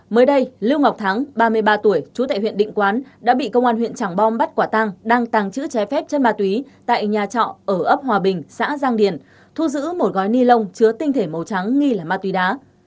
mới đây lưu ngọc thắng ba mươi ba tuổi chú tại huyện định quán đã bị công an huyện trảng bom bắt quả tăng đăng tăng chữ trái phép chất ma túy tại nhà trọ ở ấp hòa bình xã giang điền thu giữ một gói ni lông chứa tinh thể màu trắng nghi là ma túy đá